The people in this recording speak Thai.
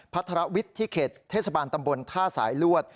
พระธรวิทย์ที่เขตเทศบาลตำบลท่าสายลวด